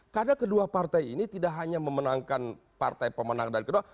karena kedua partai ini tidak hanya memenangkan partai pemenang dan kedua